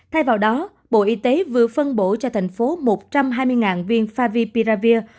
thay vào đó bộ y tế vừa phân bổ cho tp hcm một trăm hai mươi viên favipiravir